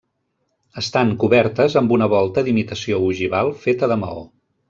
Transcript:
Estan cobertes amb una volta d'imitació ogival feta de maó.